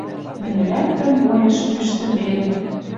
Мӹньӹ лӓктӹм бойыш ӱштӹ телӹм